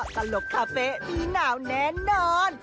ตลกคาเฟ่ตีหนาวแน่นอน